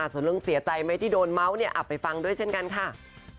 ส่วนเรื่องเสียใจไหมที่โดนเมาส์เนี่ยไปฟังด้วยเช่นกันค่ะ